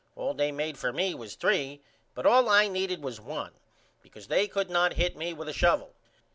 All they made for me was three but all I needed was one because they could not hit me with a shuvvel.